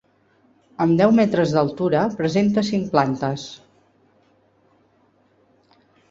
Amb deu metres d'altura, presenta cinc plantes.